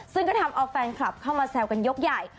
ซึ่งก็ทำเอาแฟนคลับเข้ามาแซวกันยกใหญ่